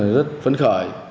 rất phấn khởi